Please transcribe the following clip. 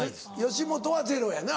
吉本はゼロやな。